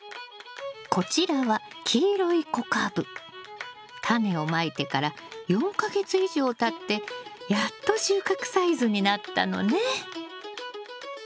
こちらは黄色いタネをまいてから４か月以上たってやっと収穫サイズになったのね。